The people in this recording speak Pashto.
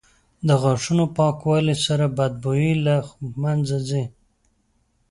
• د غاښونو پاکوالي سره بد بوی له منځه ځي.